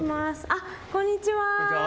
あっこんにちは。